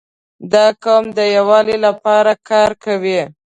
• دا قوم د یووالي لپاره کار کوي.